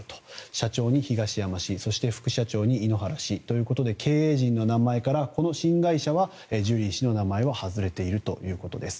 社長に東山氏そして、副社長に井ノ原氏ということで経営陣の名前から、この新会社はジュリー氏の名前は外れているということです。